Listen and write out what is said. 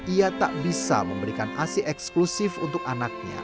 ia tak bisa memberikan asi eksklusif untuk anaknya